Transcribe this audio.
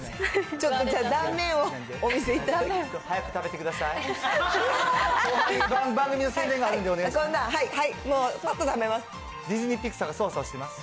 ちょっとじゃあ断面をお見せいたします。